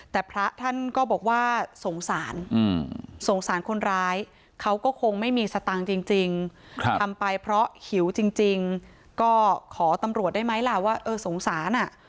แต่พระท่านก็บอกว่าสงสารสงสารคนร้ายเขาก็คงไม่มีสตางค์จริงทำไปเพราะหิวจริงก็ขอตำรวจได้ไหมล่ะว่าเออสงสารอ่ะ